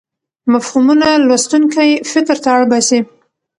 مفهومونه لوستونکی فکر ته اړ باسي.